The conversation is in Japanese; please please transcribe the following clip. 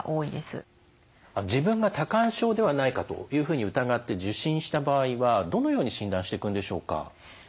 自分が多汗症ではないかと疑って受診した場合はどのように診断してくんでしょうか？